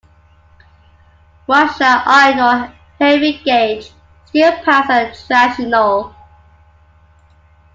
Russia iron or heavy gauge steel pans are traditional.